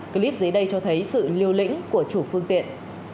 clip dưới đây cho thấy sự liều lĩnh của chủ phương tiện